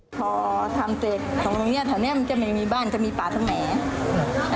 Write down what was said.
ก่อพอทำเจตส์ตรงเรียมแสนนี่จะไม่มีบ้านจะมีป่าทั้งแหม